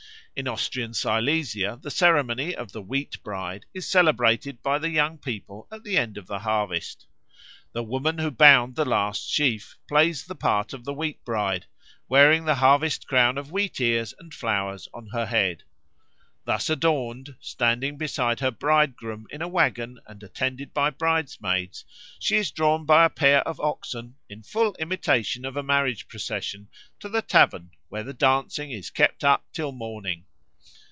In Austrian Silesia the ceremony of "the Wheat bride" is celebrated by the young people at the end of the harvest. The woman who bound the last sheaf plays the part of the Wheat bride, wearing the harvest crown of wheat ears and flowers on her head. Thus adorned, standing beside her Bridegroom in a waggon and attended by bridesmaids, she is drawn by a pair of oxen, in full imitation of a marriage procession, to the tavern, where the dancing is kept up till morning.